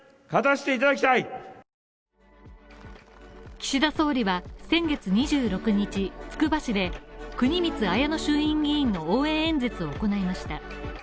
岸田総理は先月２６日、つくば市で、国光文乃衆院議員の応援演説を行いました。